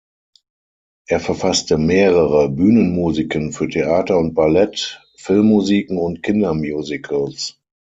Er verfasste mehrere Bühnenmusiken für Theater und Ballett, Filmmusiken und Kindermusicals.